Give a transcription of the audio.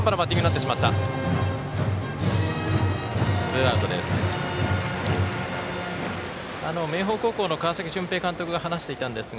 ツーアウトです。